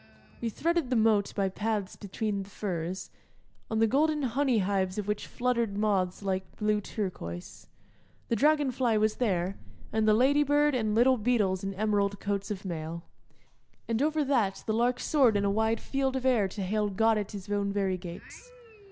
We threaded the moat by paths between the furze, on the golden honey hives of which fluttered moths like blue turquoise. The dragon fly was there, and the lady bird and little beetles in emerald coats of mail. And over that the lark soared in a wide field of air to hail God at His own very gates.